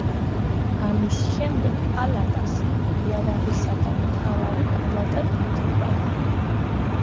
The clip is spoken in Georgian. ამის შემდეგ პალატას იარაღისა და მთავარი პალატა დაერქვა.